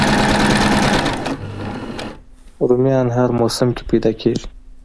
رومیان هر موسم کې پیدا کېږي